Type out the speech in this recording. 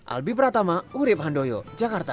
albi pratama urib handoyo jakarta